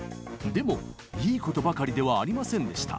でもいいことばかりではありませんでした。